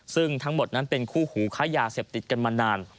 ซึ่งทั้งหมดนั้นเป็นคู่หูค้ายาเสพติดกันมานาน